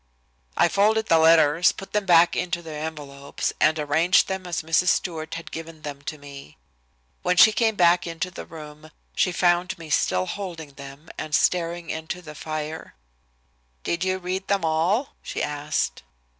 I folded the letters, put them back into their envelopes, and arranged them as Mrs. Stewart had given them to me. When she came back into the room she found me still holding them and staring into the fire. "Did you read them all?" she asked.